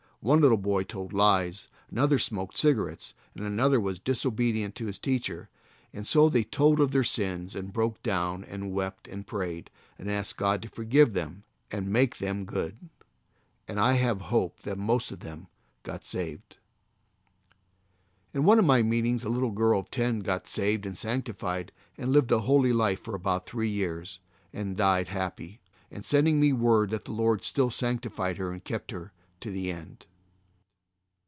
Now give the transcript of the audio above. One little boy told lies, another smoked cigarettes, and another was disobedient to his teacher; and so they told of their sins and broke down and wept and prayed, and asked God to forgive them and make them good, and I have hope that most of them got saved. In one of my meetings a little girl of ten got saved and sanctified and lived a holy life for about three years and then died happy, sending me word that the Lord still sanctified her and kept her to the end.